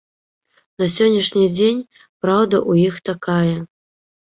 На сённяшні дзень праўда ў іх такая.